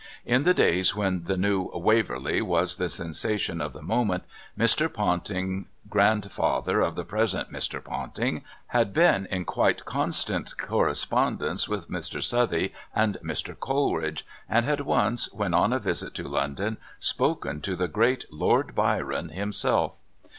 In the days when the new "Waverley" was the sensation of the moment Mr. Ponting, grandfather of the present Mr. Ponting, had been in quite constant correspondence with Mr. Southey, and Mr. Coleridge, and had once, when on a visit to London, spoken to the great Lord Byron himself.